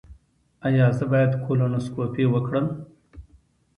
ایا زه باید کولونوسکوپي وکړم؟